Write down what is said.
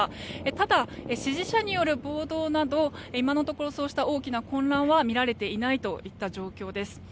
ただ、支持者による暴動など今のところそうした大きな混乱は見られていないといった状況です。